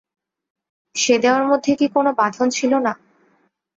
সে দেওয়ার মধ্যে কি কোনো বাঁধন ছিল না।